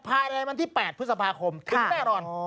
ถ้าอะไรมันที่๘พฤษภาคมถึงแน่นอน